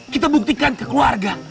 kita buktikan ke keluarga